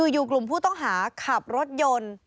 อยู่กลุ่มผู้ต้องหาขับรถยนต์